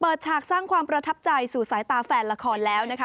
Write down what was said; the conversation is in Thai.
ฉากสร้างความประทับใจสู่สายตาแฟนละครแล้วนะคะ